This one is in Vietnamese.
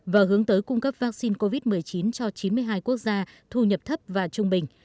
và hướng tới cung cấp vaccine covid một mươi chín cho chín mươi hai quốc gia thu nhập thấp và trung bình